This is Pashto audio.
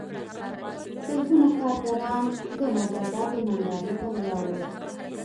سلګونه کارګران د مجازاتو نندارې ته ولاړ وو